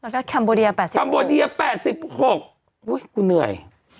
แล้วก็แคมโบเดีย๘คัมโบเดีย๘๖อุ้ยกูเหนื่อย